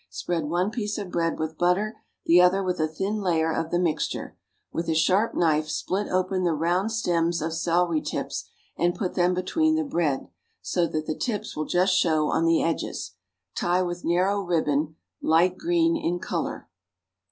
Spread one piece of bread with butter, the other with a thin layer of the mixture. With a sharp knife split open the round stems of celery tips and put them between the bread, so that the tips will just show on the edges. Tie with narrow ribbon, light green in color.